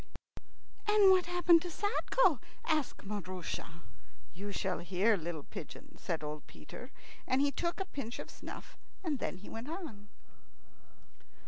"And what happened to Sadko?" asked Maroosia. "You shall hear, little pigeon," said old Peter, and he took a pinch of snuff. Then he went on.